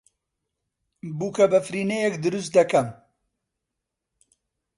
بووکەبەفرینەیەک دروست دەکەم.